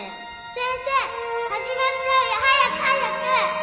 先生始まっちゃうよ早く早く！